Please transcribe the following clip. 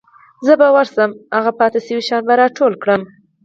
زه به ورشم هغه پاتې شوي شیان به راټول کړم.